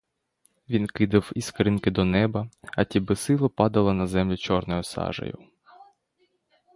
Він кидав іскринки до неба, а ті безсило падали на землю чорною сажею.